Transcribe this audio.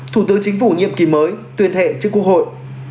thủ tướng chính phủ nhiệm kỳ mới tuyên thệ trước quốc hội